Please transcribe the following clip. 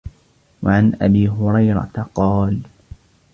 وَعَنْ أَبِي هُرَيْرَةَ قَالَ